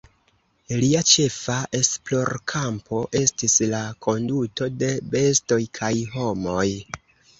Lia ĉefa esplorkampo estis la konduto de bestoj kaj homoj.